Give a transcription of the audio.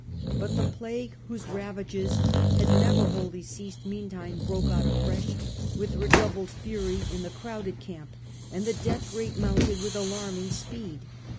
But the plague, whose ravages had never wholly ceased meantime, broke out afresh with redoubled fury in the crowded camp, and the death rate mounted with alarming speed.